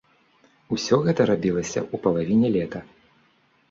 Усё гэта рабілася ў палавіне лета.